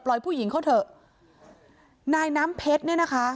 ผู้หญิงเขาเถอะนายน้ำเพชรเนี่ยนะคะ